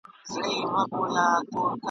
راسه چي له ښاره سره ووزو پر بېدیا به سو !.